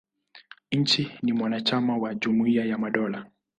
Nchi ni mwanachama wa Jumuia ya Madola.